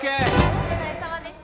お疲れさまでした。